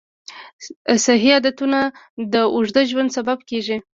صحي عادتونه د اوږد ژوند سبب کېږي.